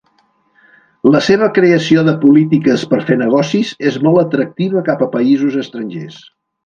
La seva creació de polítiques per fer negocis és molt atractiva cap a països estrangers.